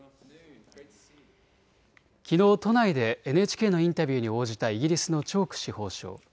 きのう都内でＮＨＫのインタビューに応じたイギリスのチョーク司法相。